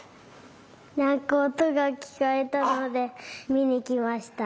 なんかおとがきこえたのでみにきました。